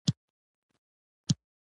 تورکي راته کيسه وکړه.